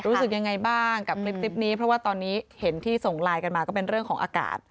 รู้สึกยังไงบ้างกับคลิปนี้เพราะว่าตอนนี้เห็นที่ส่งไลน์กันมาก็เป็นเรื่องของอากาศ